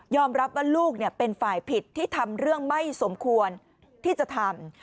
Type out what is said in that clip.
รับว่าลูกเป็นฝ่ายผิดที่ทำเรื่องไม่สมควรที่จะทำ